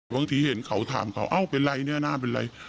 บางทีเห็นเขาถามเขาเป็นไรนี่น่าเป็นไร